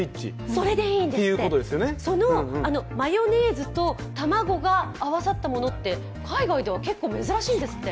それでいいんです、そのマヨネーズと卵が合わさったものって海外では結構、珍しいんですって。